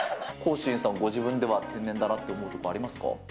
ＳＨＩＮさん、ご自分では天然だなって思うところありますか？